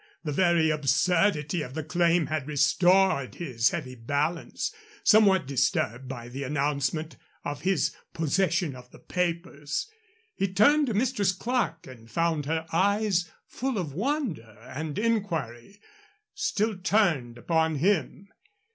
The very absurdity of the claim had restored his heavy balance somewhat disturbed by the announcement of his possession of the papers. He turned to Mistress Clerke and found her eyes, full of wonder and inquiry, still turned upon him.